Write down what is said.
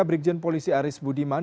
berikjen polisi aris budiman